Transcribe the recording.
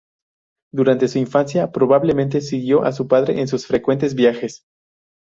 Durante su infancia probablemente siguió a su padre en sus frecuentes viajes.